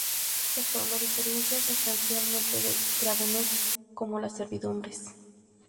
Esto lo diferencia sustancialmente de gravámenes como las servidumbres.